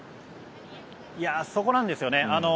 そこなんですよね。